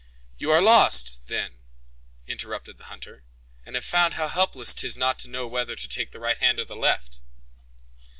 "You are, then, lost," interrupted the hunter, "and have found how helpless 'tis not to know whether to take the right hand or the left?"